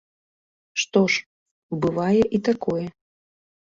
Што ж, бывае і такое.